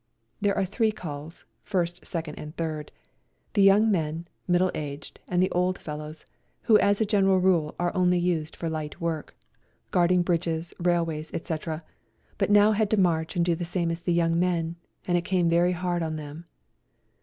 There are three calls. First, Second and Third — the young men, middle aged and the old fellows, who as a general rule are only used for light work, guarding GOOD BYE TO SERBIA 107 bridges, railways, etc., but now had to march and do the same as the young men, and it came very hard on them.